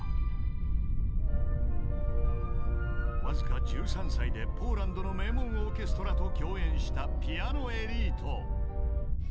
［わずか１３歳でポーランドの名門オーケストラと共演したピアノエリート］